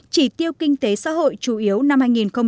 chỉ tiêu kinh tế xã hội chủ yếu năm hai nghìn một mươi chín